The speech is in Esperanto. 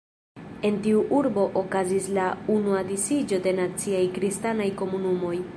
En tiu urbo okazis la unua disiĝo de naciaj kristanaj komunumoj.